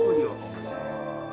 oh ya allah